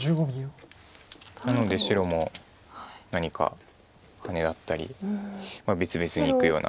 なので白も何かハネだったり別々にいくような。